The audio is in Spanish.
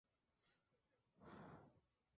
La sierra que se ve, de Sierra Nevada.